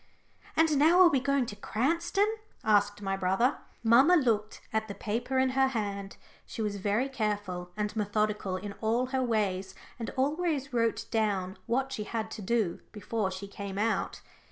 "And now are we going to Cranston's?" asked my brother. Mamma looked at the paper in her hand. She was very careful and methodical in all her ways, and always wrote down what she had to do before she came out.